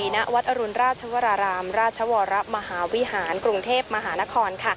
ณวัดอรุณราชวรารามราชวรมหาวิหารกรุงเทพมหานคร